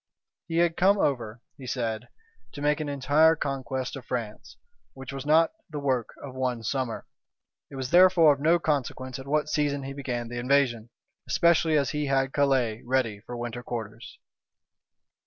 "He had come over," he said, "to make an entire conquest of France, which was not the work of one summer. It was therefore of no consequence at what season he began the invasion; especially as he had Calais ready for winter quarters."